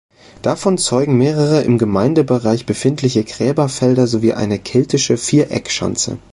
Davon zeugen mehrere im Gemeindebereich befindliche Gräberfelder sowie eine keltische Viereckschanze.